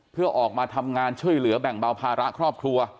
เพื่อออกมาทำงานช่วยเหลือแบ่งเบาภาระครอบครัว